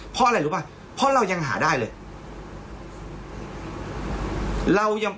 เพราะอะไรรู้ป่ะเพราะเรายังหาได้เลย